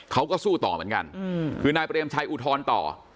เขาก็สู้ต่อเหมือนกันคือนายเปรมชัยอุทธรณ์ต่อ